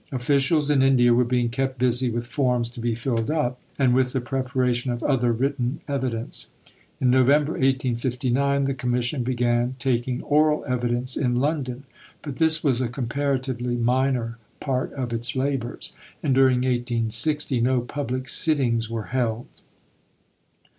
Officials in India were being kept busy with forms to be filled up, and with the preparation of other written evidence. In November 1859 the Commission began taking oral evidence in London, but this was a comparatively minor part of its labours, and during 1860 no public sittings were held.